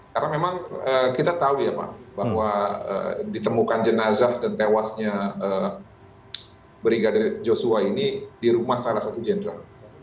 karena memang kita tahu ya bang bahwa ditemukan jenazah dan tewasnya brigadir joshua ini di rumah salah satu jenderal